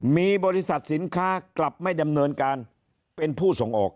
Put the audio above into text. มีบริษัทสินค้ากลับไม่ดำเนินการเป็นผู้ส่งออก